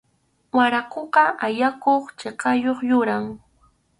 Waraquqa allakuq kichkayuq yuram.